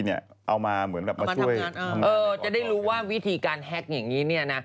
เอามาเหมือนแบบมาช่วยจะได้รู้ว่าวิธีการแฮ็กอย่างนี้เนี่ยนะ